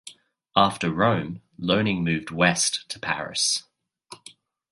After Rome, learning moved west to Paris.